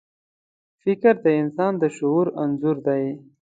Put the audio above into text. فکر د انسان د شعور انځور دی.